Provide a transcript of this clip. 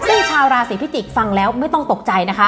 ซึ่งชาวราศีพิจิกษ์ฟังแล้วไม่ต้องตกใจนะคะ